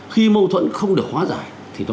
khi mâu thuẫn không được hóa dài